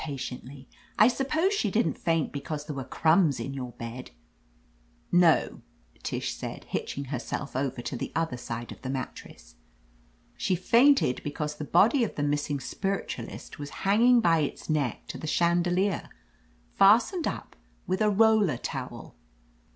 OF LETITIA CARBERRY tiently, "I suppose she didn't faint because there were crumbs in your bed !" "No," Tish said, hitching herself over to the other side of the mattress. "She fainted be^• cause the body of the missing spiritualist was hanging by its neck to the chandelier, fastened up with a roller towel."